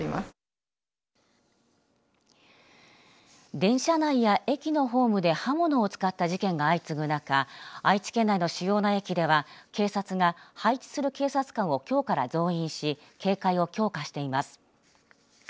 電車内や駅のホームで刃物を使った事件が相次ぐ中愛知県内の主要な駅では警察が、配置する警察官をきょうから増員し警戒を強化しています。